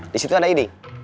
disitu ada ide